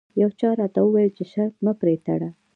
یو چا راته وویل چې شرط مه پرې تړه.